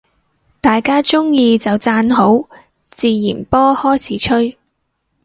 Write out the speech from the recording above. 大家鍾意就讚好，自然波開始吹